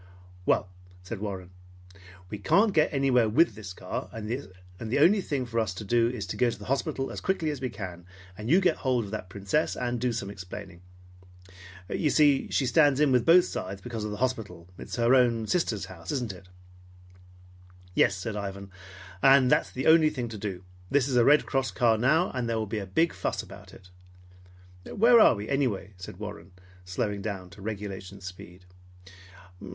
"Well," said Warren, "we can't get anywhere with the car, and the only thing for us to do is to go to the hospital as quickly as we can, and you get hold of that Princess, and do some explaining. You see she stands in with both sides because of the hospital. It's her own sister's house, isn't it?" "Yes," said Ivan, "and that's the only thing to do. This is a Red Cross car now, and there will be a big fuss about it." "Where are we, anyway?" said Warren, slowing down to regulation speed.